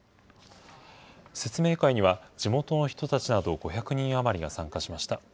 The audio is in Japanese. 説明会には、地元の人たちなど５００人余りが参加しました。